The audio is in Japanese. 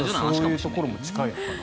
そういうところも近いのかな。